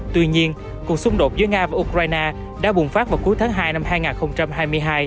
tuy nhiên cuộc xung đột giữa nga và ukraine đã bùng phát vào cuối tháng hai năm hai nghìn hai mươi hai